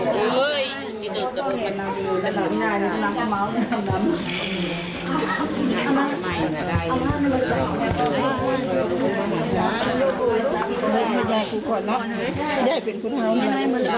ตอนนี้ก็ไม่มีเวลาให้กลับมาเที่ยวกับเวลา